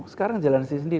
sekarang jalan sendiri